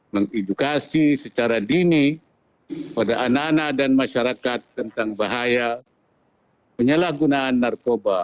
mengedukasi secara dini pada anak anak dan masyarakat tentang bahaya penyalahgunaan narkoba